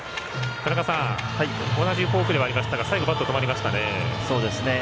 田中さん、同じフォークではありましたが最後、バット止まりましたね。